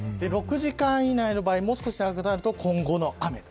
６時間以内の場合もう少し長くなると今後の雨。